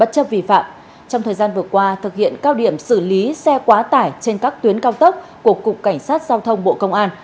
trong thời gian vừa qua thực hiện cao điểm xử lý xe quá tải trên các tuyến cao tốc của cục cảnh sát giao thông bộ công an